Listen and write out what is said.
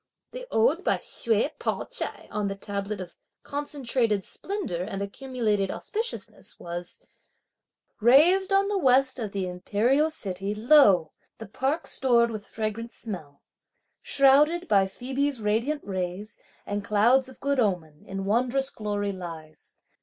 The ode by Hsüeh Pao ch'ai on the tablet of "Concentrated Splendour and Accumulated auspiciousness" was: Raised on the west of the Imperial city, lo! the park stored with fragrant smell, Shrouded by Phoebe's radiant rays and clouds of good omen, in wondrous glory lies!